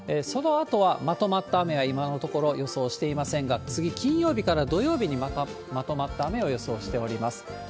そのあとはまとまった雨は今のところ予想していませんが、次、金曜日から土曜日にまとまった雨を予想しております。